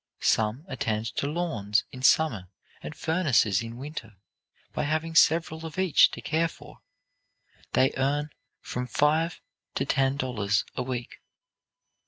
Some attend to lawns in summer and furnaces in winter; by having several of each to care for, they earn from five to ten dollars a week.